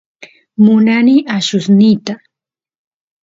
munani allusniyta